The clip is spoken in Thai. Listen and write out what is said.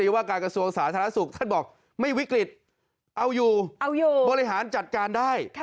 วิกฤตฯเอาอยู่บริหารจัดการได้